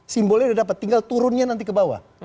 simbolnya udah dapat tinggal turunnya nanti ke bawah